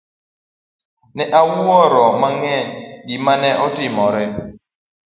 Ne awuoro mang'eny gima ne otimore.